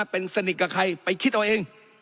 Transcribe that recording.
เป็นสนิทกับใครไปคิดเอาเอง